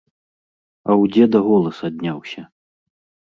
А ў дзеда голас адняўся.